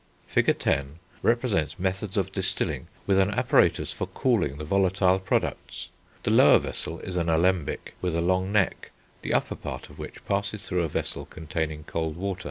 Fig. X. p. 85, represents methods of distilling with an apparatus for cooling the volatile products; the lower vessel is an alembic, with a long neck, the upper part of which passes through a vessel containing cold water.